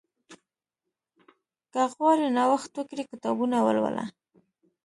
که غواړې نوښت وکړې، کتابونه ولوله.